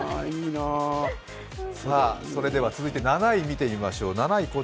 それでは続いて７位、見てみましょう。